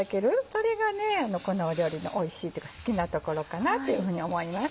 それがこの料理のおいしいというか好きなところかなというふうに思います。